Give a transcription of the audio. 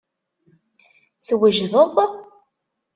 Twejdeḍ?